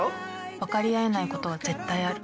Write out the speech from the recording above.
「分かり合えないことは絶対ある」